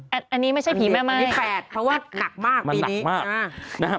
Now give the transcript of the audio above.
อันนี้ไม่ใช่ผีแหม่มายอันนี้แผดเพราะว่านักมากปีนี้